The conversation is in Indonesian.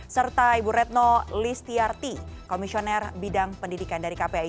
serta ibu retno listiarti komisioner bidang pendidikan dari kpi